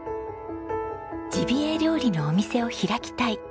ジビエ料理のお店を開きたい。